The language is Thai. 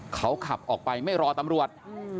เขาขับออกไปไม่รอตำรวจ